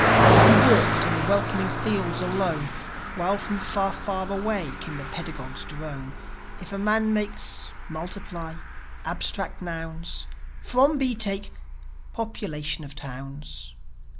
He walked in the welcoming fields alone, While from far, far away came the pedagogue's drone: "If a man makes .. .Multiply ... Abstract nouns ... From B take .. .Population of towns